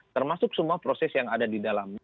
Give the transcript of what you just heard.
termasuk semua proses yang ada di dalamnya